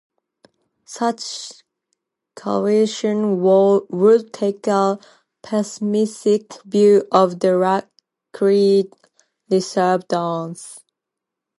Such calculations would take a pessimistic view of the likely received dose.